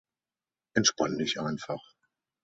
Entspann dich einfach!